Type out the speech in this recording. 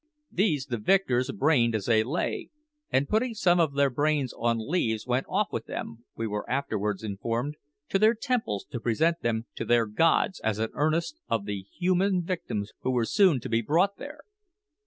These the victors brained as they lay; and putting some of their brains on leaves, went off with them, we were afterwards informed, to their temples to present them to their gods as an earnest of the human victims who were soon to be brought there.